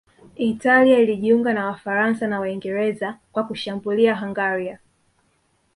Italia ilijiunga na Wafaransa na Waingereza kwa kushambulia Hungaria